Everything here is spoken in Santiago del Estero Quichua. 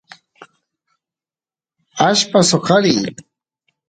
allpa soqariy